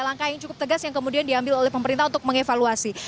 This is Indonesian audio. langkah yang cukup tegas yang kemudian diambil oleh pemerintah untuk mengevaluasi